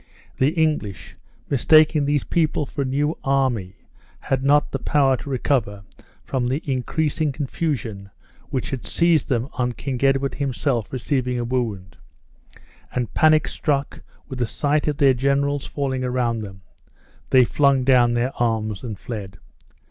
The English, mistaking these people for a new army, had not the power to recover from the increasing confusion which had seized them on King Edward himself receiving a wound, and panic struck with the sight of their generals falling around them, they flung down their arms and fled.